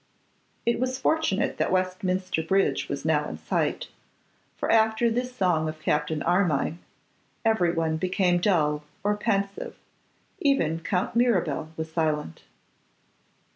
It was fortunate that Westminster bridge was now in sight, for after this song of Captain Armine, everyone became dull or pensive; even Count Mirabel was silent.